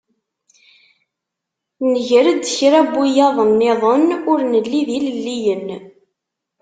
Nger-d kra n wiyaḍ-nniḍen ur nelli d ilelliyen.